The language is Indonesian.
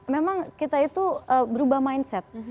memang kita itu berubah mindset